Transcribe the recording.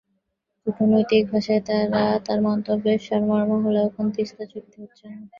কূটনৈতিক ভাষায় করা তাঁর মন্তব্যের সারমর্ম হলো এখন তিস্তা চুক্তি হচ্ছে না।